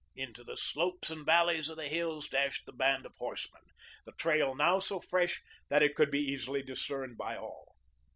Into the slopes and valleys of the hills dashed the band of horsemen, the trail now so fresh that it could be easily discerned by all.